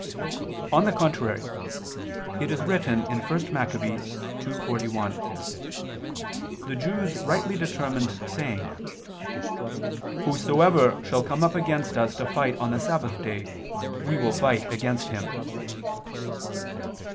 On the contrary, It is written (1 Mac. 2:41): The Jews rightly determined ... saying: "Whosoever shall come up against us to fight on the Sabbath day, we will fight against him."